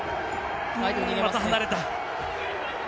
また離れた。